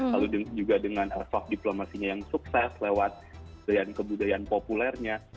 lalu juga dengan airsoft diplomasinya yang sukses lewat dan kebudayaan populernya